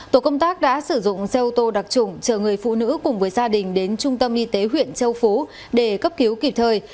tổ công tác đã sử dụng xe ô tô đặc trụng chờ người phụ nữ cùng với gia đình đến trung tâm y tế huyện châu phú để cấp cứu kịp thời